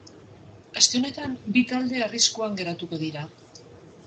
Aste honetan bi talde arriskuan geratuko dira.